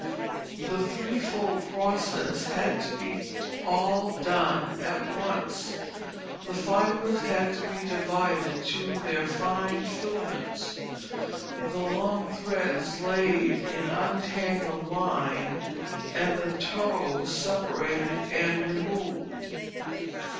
The threefold process had to be all done at once; the fibres had to be divided to their fine filaments, the long threads laid in untangled line, and the tow separated and removed.